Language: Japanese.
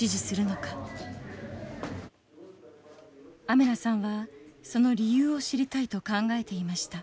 アメナさんはその理由を知りたいと考えていました。